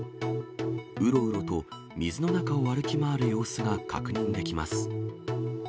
うろうろと、水の中を歩き回る様子が確認できます。